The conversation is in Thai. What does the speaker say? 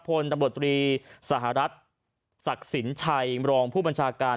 พลตำรวจตรีสหรัฐศักดิ์สินชัยรองผู้บัญชาการ